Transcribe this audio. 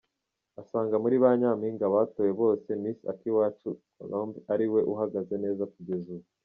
Asanga muri ba Nyampinga batowe bose, Miss Akiwacu Colombe ariwe uhagaze neza kugeza ubu.